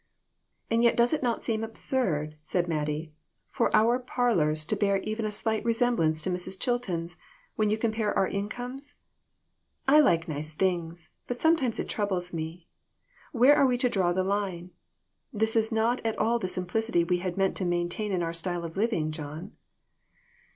"And yet does it not seem absurd," said Mattie, "for our parlors to bear even a slight resem blance to Mrs. Chilton's, when you compare our incomes ? I like nice things, but sometimes it troubles me. Where are we to draw the line? This is not at all the simplicity we had meant to maintain in our style of living, John."